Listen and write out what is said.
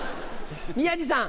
宮治さん。